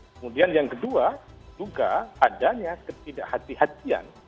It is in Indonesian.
kemudian yang kedua juga adanya ketidakhati hatian